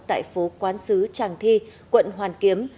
tại phố quán sứ tràng thi quận hoàn kiếm